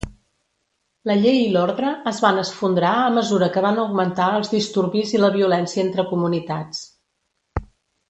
La llei i l'ordre es van esfondrar a mesura que van augmentar els disturbis i la violència entre comunitats.